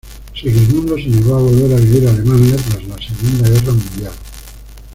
Segismundo se negó a volver a vivir a Alemania tras la Segunda Guerra Mundial.